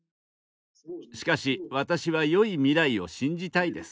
しかし私はよい未来を信じたいです。